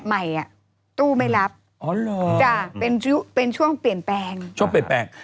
ใหม่อ่ะตู้ไม่รับอ๋อเหรอจ้ะเป็นช่วงเปลี่ยนแปลงช่วงเปลี่ยนแปลง